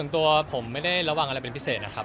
ตัวผมไม่ได้ระวังอะไรเป็นพิเศษนะครับ